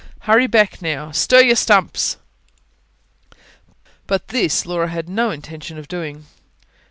Hurry back, now. Stir your stumps!" But this Laura had no intention of doing.